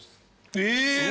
え！